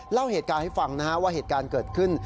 เล่าเหตุการณ์ให้ฟังนะฮะว่าเหตุการณ์เกิดขึ้น